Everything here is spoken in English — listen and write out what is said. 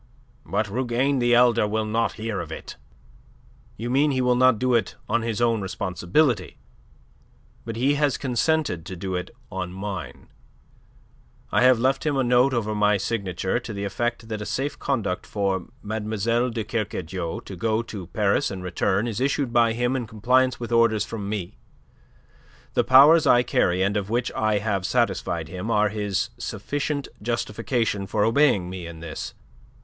"But Rougane the elder will not hear of it." "You mean he will not do it on his own responsibility. But he has consented to do it on mine. I have left him a note over my signature to the effect that a safe conduct for Mlle. de Kercadiou to go to Paris and return is issued by him in compliance with orders from me. The powers I carry and of which I have satisfied him are his sufficient justification for obeying me in this.